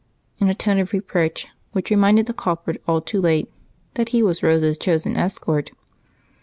in a tone of reproach which reminded the culprit, all too late, that he was Rose's chosen escort.